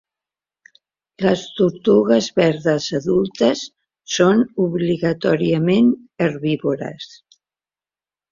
Les tortugues verdes adultes són obligatòriament herbívores.